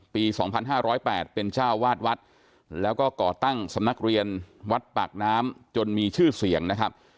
๒๕๐๘เป็นเจ้าวาดวัดแล้วก็ก่อตั้งสำนักเรียนวัดปากน้ำจนมีชื่อเสียงนะครับ